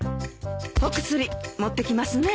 お薬持ってきますね。